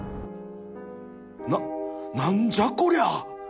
なっ何じゃこりゃ